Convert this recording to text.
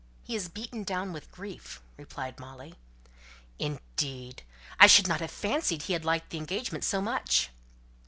"He is beaten down with grief," replied Molly. "Indeed! I should not have fancied he had liked the engagement so much."